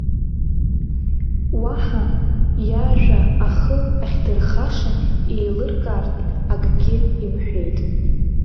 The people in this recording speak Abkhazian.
Уаҳа, иажәа ахы ахьдырхаша еилыркаартә, акгьы имҳәеит.